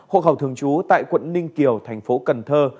hộ khẩu thường trú tại quận ninh kiều thành phố cần thơ